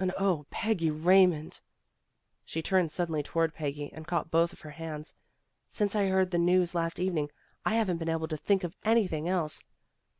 And Oh, Peggy Raymond She turned suddenly toward Peggy, and caught both of her hands. '' Since I heard the news last evening, I haven't been able to think of anything else.